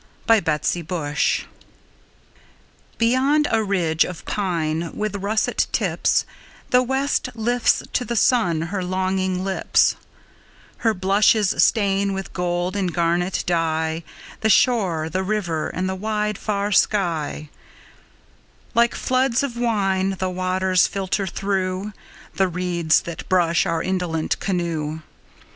THISTLE DOWN Beyond a ridge of pine with russet tips The west lifts to the sun her longing lips, Her blushes stain with gold and garnet dye The shore, the river and the wide far sky; Like floods of wine the waters filter through The reeds that brush our indolent canoe.